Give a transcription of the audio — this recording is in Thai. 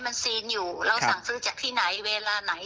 มันซีนอยู่เราสั่งซื้อจากที่ไหนเวลาไหน